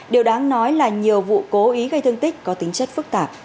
điều đáng nói là nhiều vụ cố ý gây thương tích có tính chất phức tạp